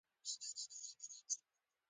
هغوی دا ځل پرېکړه مينې ته پرېښې وه